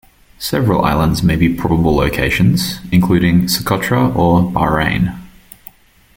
Several islands may be probable locations, including Socotra or Bahrain.